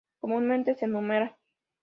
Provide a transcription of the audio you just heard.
Comúnmente se numeran.